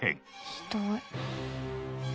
ひどい。